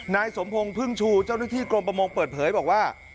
นายสมพงศ์พึ่งชูเจ้าหน้าที่กรมประมงเปิดเผยบอกว่า